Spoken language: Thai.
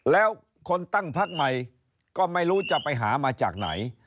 แล้วคนตั้งพักใหม่ก็ไม่รู้จะไปหามาจากไหน